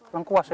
yang kuas ya